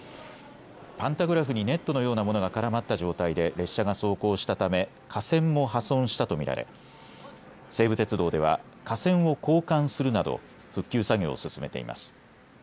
パンタグラフにネットのようなものが絡まった状態で列車が走行したため架線も破損したと見られ西武鉄道では架線を交換するなど復旧作業を進めています。